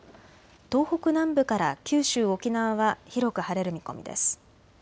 東北南部から九州、沖縄は広く晴れる見込みです。